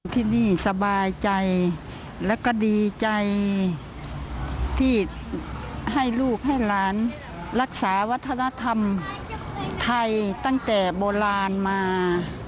ที่นี่สบายใจแล้วก็ดีใจที่ให้ลูกให้หลานรักษาวัฒนธรรมไทยตั้งแต่โบราณมา